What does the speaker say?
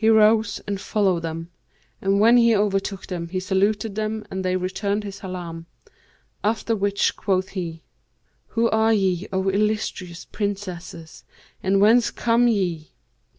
He rose and followed them, and when he overtook them, he saluted them and they returned his salam; after which quoth he, 'Who are ye, O illustrious Princesses, and whence come ye?'